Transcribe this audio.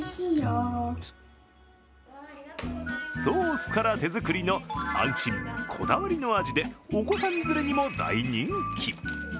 ソースから手作りの安心、こだわりの味でお子さん連れにも大人気。